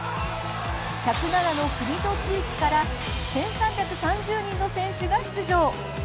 １０７の国と地域から１３３０人の選手が出場。